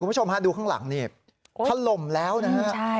คุณผู้ชมฮะดูข้างหลังนี่ถล่มแล้วนะฮะ